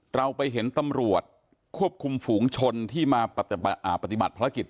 เราไปเห็นตำรวจควบคุมฝูงชนที่มาปฏิบัติภารกิจ